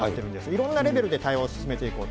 いろんなレベルで対話を進めていこう。